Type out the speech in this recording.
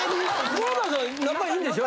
黒谷さん仲いいんでしょ？